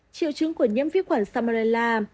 triệu chứng của nhiễm vi khuẩn salmonella